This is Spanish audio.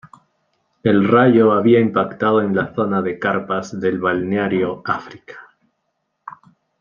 El rayo había impactado en la zona de carpas del Balneario Afrika.